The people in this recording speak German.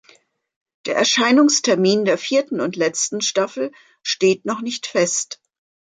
Der Erscheinungstermin der vierten und letzten Staffel steht noch nicht fest.